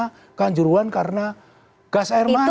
bahkan juruan karena gas air mata